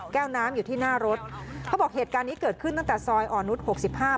น้ำอยู่ที่หน้ารถเขาบอกเหตุการณ์นี้เกิดขึ้นตั้งแต่ซอยอ่อนนุษยหกสิบห้า